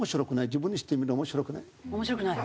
自分にしてみれば面白くない。